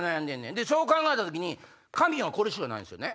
でそう考えた時に紙はこれしかないんですよね。